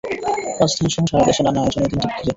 রাজধানী সহ সারা দেশে নানা আয়োজন এই দিনটিকে ঘিরে।